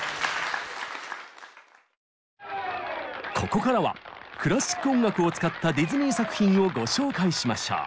ここからはクラシック音楽を使ったディズニー作品をご紹介しましょう。